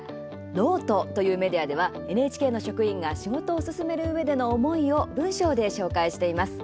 ｎｏｔｅというメディアではＮＨＫの職員が仕事を進めるうえでの思いを文章で紹介しています。